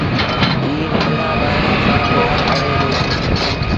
ائيٚݩ ننڍآݩ ٻآرآݩ سآݩ پيٚآر ڪري دو